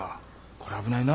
これ危ないな。